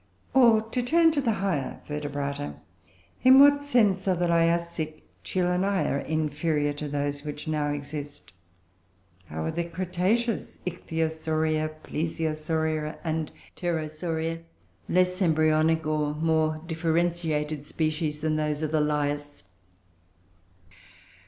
Or to turn to the higher Vertebrata in what sense are the Liassic Chelonia inferior to those which now exist? How are the Cretaceous Ichthyosauria, Plesiosauria, or Pterosauria less embryonic, or more differentiated, species than those of the Lias?